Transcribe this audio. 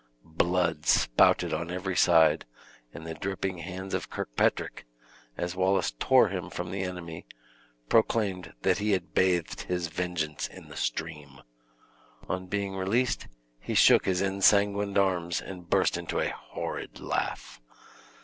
Blood spouted on every side, and the dripping hands of Kirkpatrick, as Wallace tore him from the enemy, proclaimed that he had bathed his vengeance in the stream. On being released, he shook his ensanguined arms, and burst into a horrid laugh.